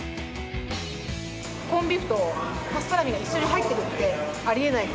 コンビーフとパストラミが一緒に入ってるってありえないっていうか